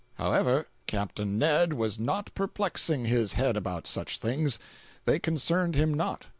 However, Capt. Ned was not perplexing his head about such things. They concerned him not.